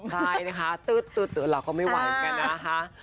ใช่นะคะตื๊ดตื๊ดตื๊ดเราก็ไม่ไหวกันนะคะ